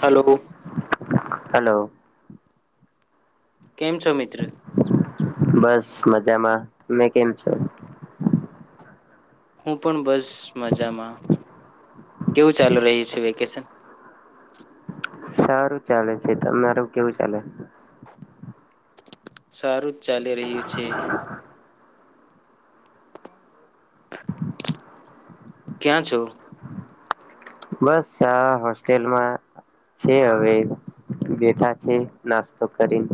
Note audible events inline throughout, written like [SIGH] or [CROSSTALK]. Hello. Hello. કેમ છો મિત્ર? બસ મજામાં. તમે કેમ છો? હું પણ બસ મજામાં. કેવું ચાલુ રહી છે વેકેશન? સારું ચાલે છે. તમારું કેવું ચાલે? સારું જ ચાલી રહ્યું છે. [INAUDIBLE] ક્યાં છો? બસ આ હોસ્ટેલમાં છે હવે બેઠા છે નાસ્તો કરીન.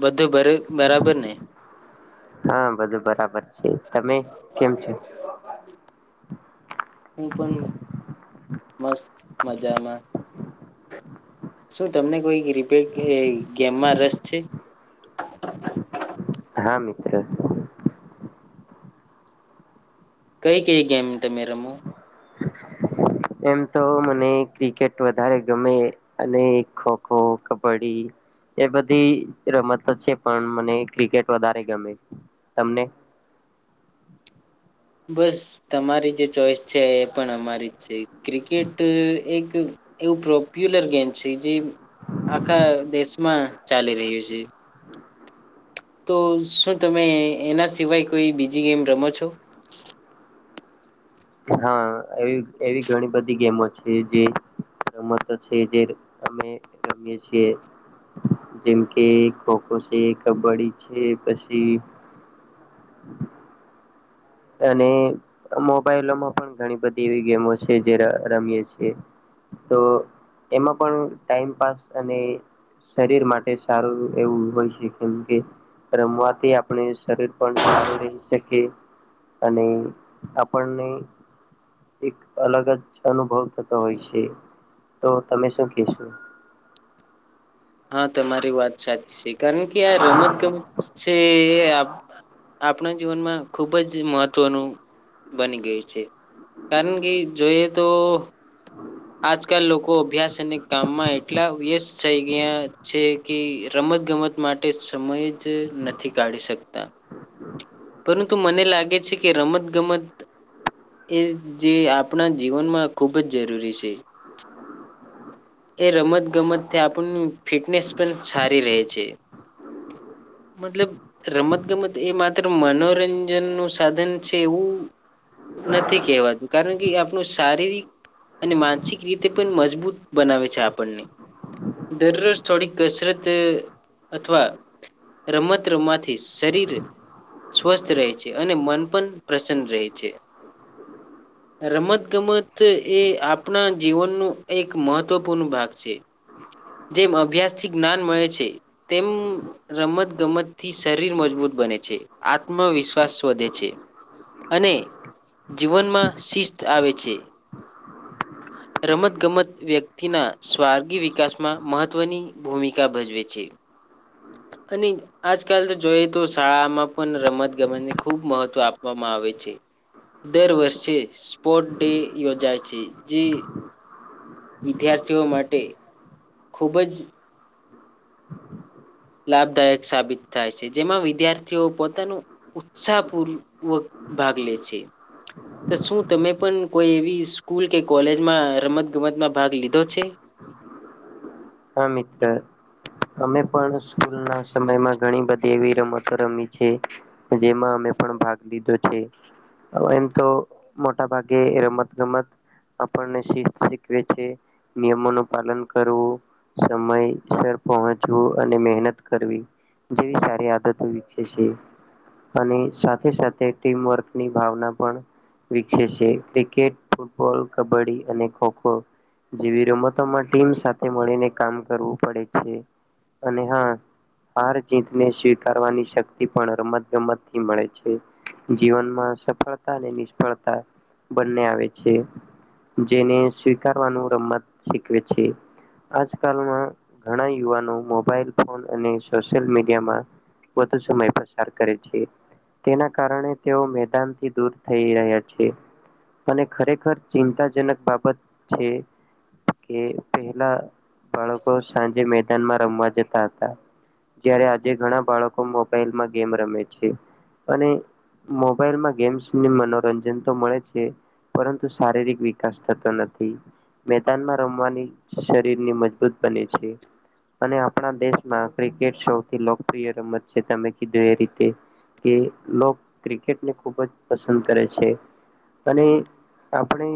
બધું બરે-બરાબર ને? હા, બધું બરાબર છે. તમે કેમ છે? હું પણ મસ્ત મજામાં. શું તમને કોઈ રિપેટ એઈ ગેમમાં રસ છે? [INAUDIBLE] હા મિત્ર. કઈ કઈ ગેમ તમે રમો? એમ તો મને ક્રિકેટ વધારે ગમે અને ખોખો, કબ્ડી એ બધી રમતો છે પણ મને ક્રિકેટ વધારે ગમે. તમને? [INAUDIBLE] બસ, તમારી જે ચોઈસ છે એ પણ અમારી જ છે ક્રિકેટ એ એક એવું પ્રપ્યુલર ગેમ છે જે આખા દેશ માં ચાલી રહ્યું છે. તો શું તમે એના સિવાય કોઈ બીજી ગેમ રમો છો? હા, એ એવી ઘણી બધી ગેમો છે જે રમત છે. જે અમે રમીએ છીએ. જેમ કે ખોખો છે, કબડ્ડી છે પછી [UNINTELLIGIBLE] અને મોબાઈલોમાં પણ ઘણી બધી એવી ગેમો છે જે રમીયે છીએ. તો એમાં પણ ટાઈમપાસ અને શરીર માટે સારું એવું હોય છે. કેમ કે રમવાથી આપણે શરીર પણ સારું રહી શકીએ. અને આપણને એક અલગ જ અનુભવ થતો હોય છે. તો તમે શું કેશો? હા, તમારી વાત સાચી છે કારણ કે આ રમત ગમત છે એ એ આપણા જીવનમાં ખુબ જ મહત્વનું બની ગયું છે. કારણ કે જોઈએ તો આજકાલ લોકો અભ્યાસ અને કામમાં એટલા વ્યસ્ત થઈ ગયા છે કે રમત ગમત માટે સમય જ નથી કાઢી શકતા. પરંતુ મને લાગે છે કે રમત ગમત એ જે આપણા જીવનમાં ખુબ જ જરૂરી છે. એ રમત ગમતથી આપણ ફિટનેસ પણ સારી રહે છે. મતલબ રમત ગમત એ માત્ર મનોરંજન નું સાધન છે એવું નથી કેહેવાતું. કારણ કે આપણું શારીરિક અને માનસિક રીતે પણ મજબૂત બનાવે છે આપણને. દરરોજ થોડીક કસરત અથવા રમત રમવાથી શરીર સ્વસ્થ રહે છે અને મન પણ પ્રસન્ન રહે છે. રમત ગમત એ આપણા જીવનનું એક મહત્વપૂર્ણ ભાગ છે. જેમ અભ્યાસથી જ્ઞાન મળે છે. તેમ રમત ગમતથી શરીર મજબૂત બને છે, આત્મવિશ્વાસ વધે છે. અને જીવનમાં શિસ્ત આવે છે. [INAUDIBLE] રમત ગમત વ્યક્તિના સ્વાર્ગી વિકાસમાં મહત્વની ભૂમિકા ભજવે છે. અને આજકાલ તો જોઈ તો શાળામાં પણ રમત ગમતને ખુબ મહત્વ આપવામાં આવે છે. દર વર્ષે સ્પોર્ટ ડે યોજાય છે જે વિદ્યાર્થીઓ માટે ખૂબ જ લાભદાયક સાબિત થાય છે. જેમાં વિદ્યાર્થીઓ પોતાનું ઉત્સાહપૂર્વક ભાગ લે છે. તો શું તમે પણ કોઈ એવી સ્કૂલ કે કોલેજમાં રમત ગમતમાં ભાગ લીધો છે? [INAUDIBLE] હા મિત્રર. અમે પણ સ્કૂલ ના સમયમાં ઘણી બધી એવી રમતો રમી છે. જેમાં અમે પણ ભાગ લીધો છે. એમ તો મોટા ભાગે રમત ગમત આપણને શીસ્ત શીખવે છે, નિયમો નું પાલન કરવું સમયસર પહોંચવું અને મહેનત કરવી જેવી સારી આદતો વિકસે છે. અને સાથે સાથે ટીમવર્કની ભાવના પણ વિકસે છે ક્રિકેટ ફૂટબોલ કબડ્ડી અને ખોખો જેવી રમતોમાં ટીમ સાથે મળીને કામ કરવું પડે છે અને હા હાર જીતને સ્વીકારવાની શક્તિ પણ રમત ગમતથી મળે છે. જીવનમાં સફળતા અને નિષ્ફળતા બંને આવે છે. જેને સ્વીકારવાનું રમત શીખવે છે આજ આકાલમાં ઘણા યુવાનો મોબાઈલ ફોન અને સોશિયલ મીડિયામાં વધુ સમય પસાર કરે છે તેના કારણે તેઓ મેદાનથી દૂર થઈ રહ્યા છે અને ખરેખર ચિંતાજનક બાબત છે કે પહેલા બાળકો સાંજે મેદાનમાં રમવા જતા હતા જયારે આજે ઘણા બાળકો મોબાઈલમાં ગેમ રમે છે અને મોબાઈલ માં ગેમ્સ ને મનોરંજન તો મળે છે પરંતુ શારીરિક વિકાસ થતો નથી મેદાનમાં રમવાની શરીર મજબૂત બને છે અને આપણા દેશમાં ક્રિકેટ સૌથી લોકપ્રિય રમત છે તમે કીધું એ રીતે કે લો ક્રિકેટને ખૂબ જ પસંદ કરે છે. અને આપણે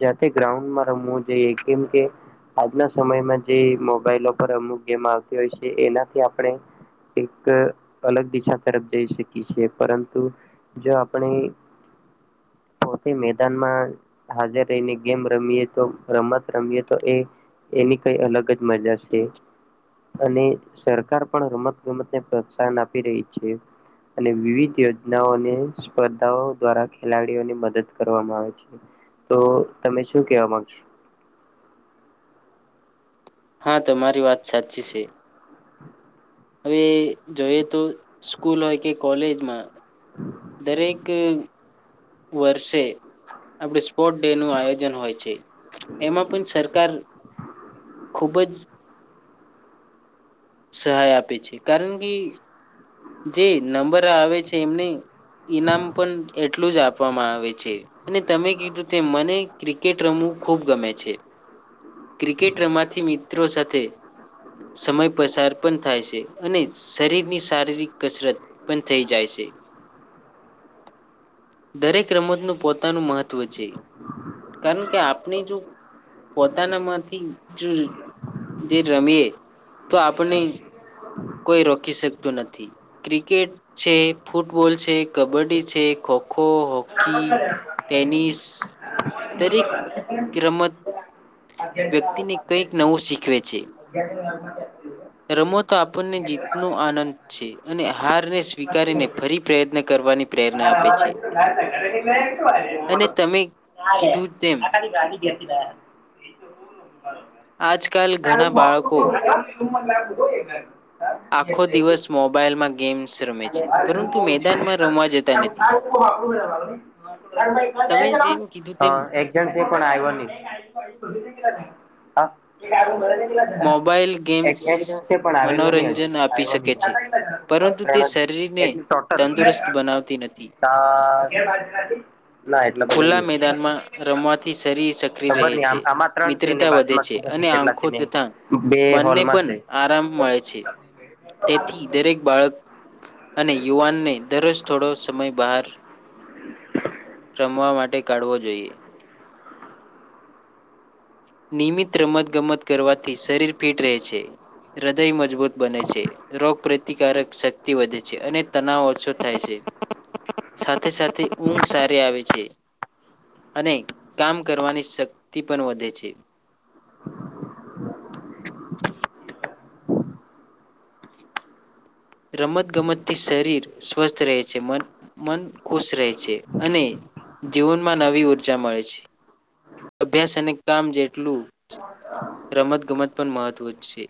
જાતે ગ્રાઉન્ડમાં રમવું જોઈએ કેમ કે આજના સમયમાં જે મોબાઈલ પર અમુક ગેમ આવતી હોય છે એનાથી આપણે એક અલગ દિશા તરફ જઈ શકી છે પરંતુ જો આપણી હ [INAUDIBLE] મેદાનમાં હાજર રહીને ગેમ રમીએ તો રમત રમીએ તો એ એની કઈ અલગ જ મજા છે અને સરકાર પણ રમત ગમતને પ્રોત્સાહન આપી રહી છે. અને વિવિધ યોજનાઓ અને સ્પર્ધાઓ દ્વારા ખેલાડીઓની મદદ કરવામાં આવે છે. તો તમે શું કેવા માંગશો [INAUDIBLE] હા તમારી વાત સાચી છે. હવે જોઈએ તો સ્કૂલ હોય કે કોલેજમાં દરેક વર્ષે આપડ સ્પોર્ટ ડે નું આયોજન હોય છે એમાં પણ સરકાર ખૂબ જ. સહાય આપે છે કારણ કે જે નંબર આવે છે એમને. ઈનામ પણ એટલું જ આપવામાં આવે છે. અને તમે કીધું કે મને ક્રિકેટ રમવું ખૂબ ગમે છે. ક્રિકેટ રમાથી મિત્રો સાથે. સમય પસાર પણ થાય છે અને શરીરની શારીરિક કસરત પણ થઈ જાય છે. દરેક રમતનું પોતાનું મહત્વ છે. કર કે આપની જો. પોતાનામાંથી જો જે રમીએ તો આપણે. કોઈ રોકી શકતું નથી ક્રિકેટ છે ફૂટબોલ છે કબડ્ડી છે ખો. ખોખો હોકી ટેનિસ દરેક રમત. વ્યક્તિને કંઈક નવું શીખવે છે. અ. રમો તો આપણને જીતનો આનંદ છે અને હારને સ્વીકારીને ફરી પ્રયત્ન કરવાની. પ્રેરણા આપે છે અને ટ તમે હાલે કીધું તેમ આડી અડીતી. [INAUDIBLE] આજકાલ ું ઘણા બાળકો મ. [INAUDIBLE] આખો દિવસ મોબાઈલમાં ગેમ્સ રમે છે, પરંતુ મેદાનમાં રમવા જ. પ. [INAUDIBLE] તમે જેમ કીધું હ તેમ એક જણ છે પણ આવ્યો નહી. મોબાઈલ ગેમ્સ એટલે જશે, પણ આવેલો નહીં. મનોરંજન આપી શકે હજી છે આવ. પરંતુ તે ત્રણ હ શરીરને એટ ટોટલ. તંદુરસ્ત બનાવતી નથી હા. ખુલ્લા મેદાનમાં રમવાથી શરીર સક્રિય ખબર રહે નઈ છે, આમ આમાં ત્રણ છે ને મિત્રતા વધે બાજુમાં છે. ખબર અને નઈ કેટલા આંખો છે ને તથા બે બંને હોલમાં પણ છે આરામ મળે છે. તેથી દરેક બાળક અને યુવાનને દરરોજ થોડો સમય બહાર. [UNINTELLIGIBLE] રમવા માટે કાઢવો જોઈએ. નિયમિત રમત ગમત કરવાથી શરીર ફિટ રહે છે. હૃદય મજબૂત બને છે, રોગ પ્રતિકારક શક્તિ વધે છે અને તનાવ ઓછો થાય છે. સાથે સાથે ઊંઘ સારી આવે છે. અને કામ કરવાની શક્તિ પણ વધે છે. રમત-ગમતથી શરીર સ્વસ્થ રહે છે, મન ખુશ રહે છે અને. જીવનમાં નવી ઉર્જા મળે છે. અભ્યાસ અને કામ જેટલું. રમત-ગમત પણ મહત્વ જ છે.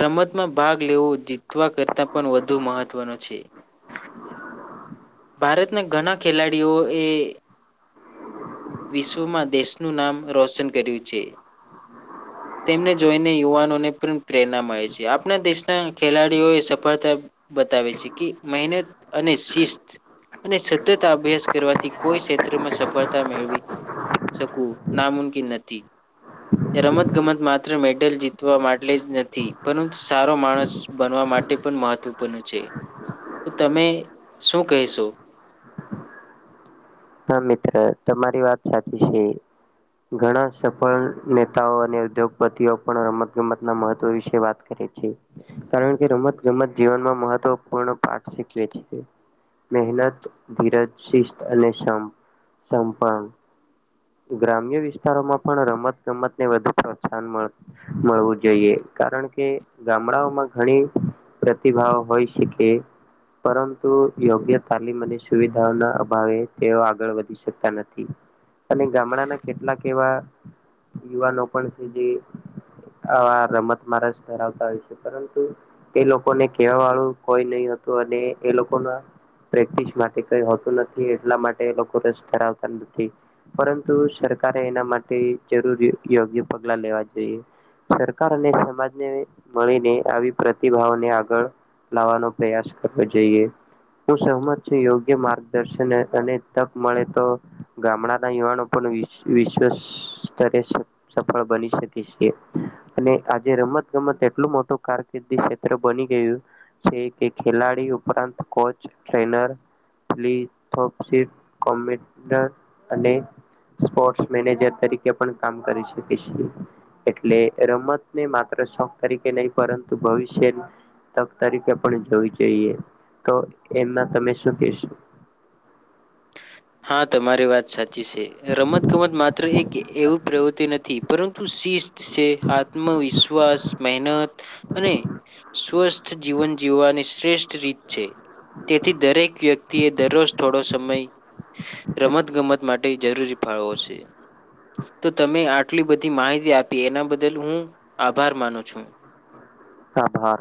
રમતમાં ભાગ લેવો, જીતવા કરતાં પણ વધુ મહત્વનો છે. ભારતના ઘણા ખેલાડીઓ એ. વિશ્વમાં દેશનું નામ રોશન કર્યું છે. તેમને જોઈને યુવાનોને પણ પ્રેરણા મળે છે. આપણા દેશના ખેલાડીઓ એ સફળતા. બતાવે છે કે મહેનત અને શિસ્ત. અને સતત અભ્યાસ કરવાથી કોઈ ક્ષેત્રમાં સફળતા મેળવી. શકું ના મુુમકિન નથી. રમત-ગમત માત્ર મેડલ જીતવા માટે જ નથી, પરંતુ સારો માણસ બનવા માટે. માટે પણ મહત્વપૂર્ણ છે. તો તમે શું કહેશો? [UNINTELLIGIBLE] હા, મિત્ર તમારી વાત સાચી છે. ઘણા સફળ નેતાઓ અને ઉદ્યોગપતિઓ પણ રમત-ગમત ના મહત્વ વિશે વાત કરી. કારણ કે રમત ગમત જીવનમાં મહત્વપૂર્ણ પાઠ શીખવે છે. મહેનત, ધીરજ, શિસ્ત અને સંપન. ગ્રામ્ય વિસ્તારોમાં પણ રમત-ગમતને વધુ પ્રોત્સાહન મળવું જોઈએ. કારણ કે ગામડાઓમાં ઘણી પ્રતિભાઓ હોય શકે. પરંતુ યોગ્ય તાલીમ અને સુવિધાઓના અભાવે. તેઓ આગળ વધી શકતા નથી. અને ગામડાના કેટલાક એવા યુવાનો પણ છે જે આ રમતમાં રસ ધરાવતા હોય છે, પરંતુ એ લોકોને કેવા વાળું કોઈ નહીં હોય. એ લોકો પ્રેક્ટસ માટે કંઈ હોતું નથી. માટે રસ ધવતા નથી, પરંતુ સરકારે એના માટે જરૂરી. પગલા લેવા જોઈએ. સરકાર અને સમાજને મળીને આવી પ્રતિભાઓને આગળ લાવવાનો પ્રયાસ કરવો જોઈએ. હું સહમત છું. યોગ્ય માર્ગદર્શન. તને તક મળે, તો ગામડાના યુવાનો પણ વિશ્વ સ્તરે. સફળ બની શકે છે. અને આજે રમત-ગમત એટલું મોટું કારકિર્દી ક્ષેત્ર બની. કે ખેલાડી ઉપરાંત કોચ ટ્રેનર કો અને [UNINTELLIGIBLE] સ્પોર્ટ્સ મેનેજર તરીકે પણ કામ કરી શકીશ એટલે રમતને માત્ર શોખ તરીકે નહી પરંતુ ભવિષ્ય તક તરીકે પણ જોવી જોઈએ તો એમાં તમે શું કેશો હા તમારી વાત સાચી છે રમત ગમત માત્ર એક એવું પ્રવૃત્તિ નથી પરંતુ શિસ્ત છે આત્મવિશ્વાસ મહેનત અને સ્વસ્થ જીવન જીવવાની શ્રેષ્ઠ રીત છે તેથી દરેક વ્યક્તિ એ દરરોજ થોડો સમય રમત ગમત માટે જરૂરી ફાળવો છે તો તમે આટલી બધી માહિતી આપી એના બદલ હું આભાર માનું છું આભાર